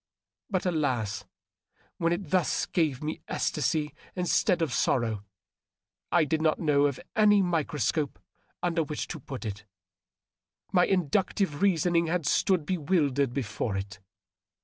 But alas ! when it thus gave me ecstasy insteaa of sorrow I did not know of any microscope under which to put it. My inductive reasoning had stood bewildered before it.